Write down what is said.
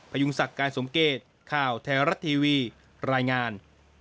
พยุงศักดิ์การสมเกตข่าวแท้รัฐทีวีรายงาน